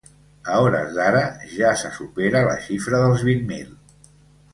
A hores d’ara ja s’ha supera la xifra dels vint mil.